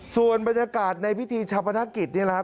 ส่วนบรรยากาศในพิธีชาปนกิจนี่แหละครับ